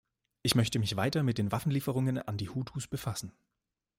Ich möchte mich weiter mit den Waffenlieferungen an die Hutus befassen.